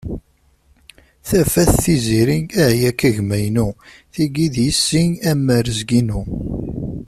Tafat, Tiziri ahya-k a gma-inu. Tigi d yessi am warrezg-inu.